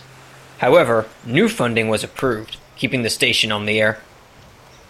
However, new funding was approved, keeping the station on the air.